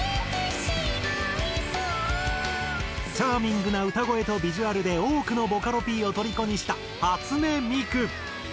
チャーミングな歌声とビジュアルで多くのボカロＰをとりこにした初音ミク。